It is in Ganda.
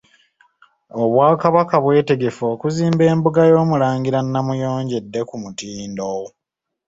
Obwakabaka bwetegefu okuzimba embuga y'Omulangira Namuyonjo edde ku mutindo.